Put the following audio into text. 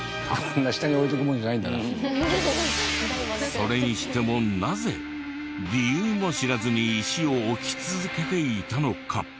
それにしてもなぜ理由も知らずに石を置き続けていたのか？